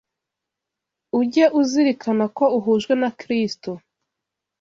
ujye uzirikana ko uhujwe na Kristo